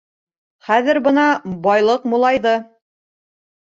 Хәҙер бына байлыҡ мулайҙы.